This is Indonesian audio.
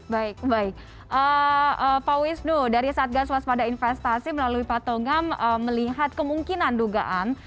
baik baik pak wisnu dari satgas waspada investasi melalui patongam melihat kemungkinan dugaan